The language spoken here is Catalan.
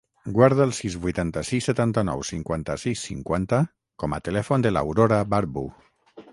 Guarda el sis, vuitanta-sis, setanta-nou, cinquanta-sis, cinquanta com a telèfon de l'Aurora Barbu.